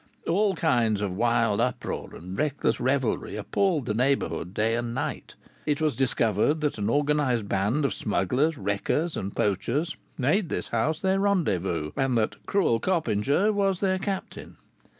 All kinds of wild uproar and reckless revelry appalled the neighborhood day and night. It was discovered that an organized band of smugglers, wreckers, and poachers made this house their rendezvous, and that "Cruel Coppinger" was their captain.